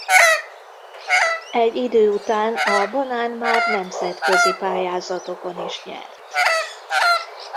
Egy idő után a Banán már nemzetközi pályázatokon is nyert.